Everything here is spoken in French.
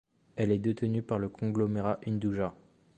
Elle est détenue par le conglomérat Hinduja.